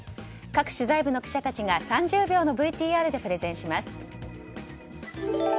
各取材部の記者たちが３０秒のＶＴＲでプレゼンします。